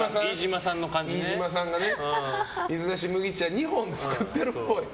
飯島さんが水出し麦茶２本作ってるっぽい。